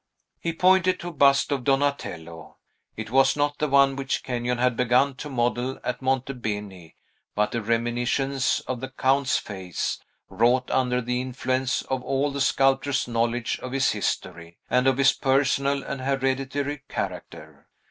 He pointed to a bust of Donatello. It was not the one which Kenyon had begun to model at Monte Beni, but a reminiscence of the Count's face, wrought under the influence of all the sculptor's knowledge of his history, and of his personal and hereditary character.